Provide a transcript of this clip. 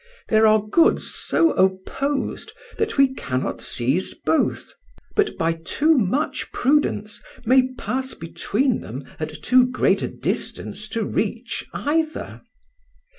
There are goods so opposed that we cannot seize both, but by too much prudence may pass between them at too great a distance to reach either.